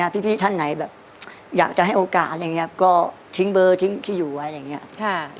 พี่ท่านไหนแบบอยากจะให้โอกาสอะไรอย่างนี้ก็ทิ้งเบอร์ทิ้งที่อยู่ไว้อย่างนี้